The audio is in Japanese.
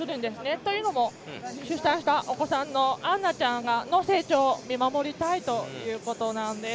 というのも、出産したお子さんのアンナちゃんの成長を見守りたいということです。